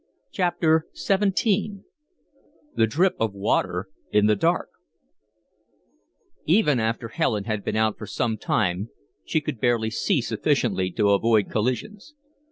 CHAPTER XVII THE DRIP OF WATER IN THE DARK Even after Helen had been out for some time she could barely see sufficiently to avoid collisions.